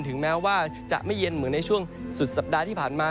ถึงแม้ว่าจะไม่เย็นเหมือนในช่วงสุดสัปดาห์ที่ผ่านมา